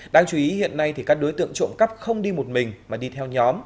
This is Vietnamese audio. đáng chú ý hiện nay thì các đối tượng trộm cắp không đi một mình mà đi theo nhóm